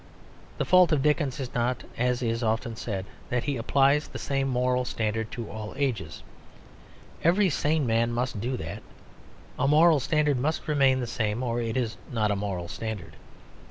The fault of Dickens is not (as is often said) that he "applies the same moral standard to all ages." Every sane man must do that: a moral standard must remain the same or it is not a moral standard.